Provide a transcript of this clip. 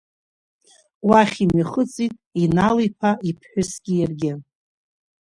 Уахь имҩахыҵит Инал-Иԥа иԥҳәысгьы иаргьы.